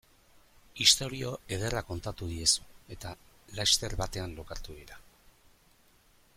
Istorio ederra kontatu diezu eta laster batean lokartu dira.